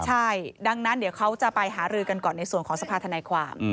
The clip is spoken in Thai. ใช่ดังนั้นเดี๋ยวเขาจะไปหารือกันก่อนในส่วนของสภาธนายความ